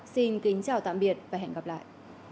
xin kính chào tạm biệt và hẹn gặp lại